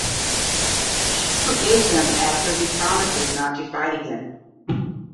She forgives him after he promises not to fight again.